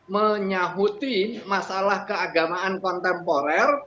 menyahuti masalah keagamaan kontemporer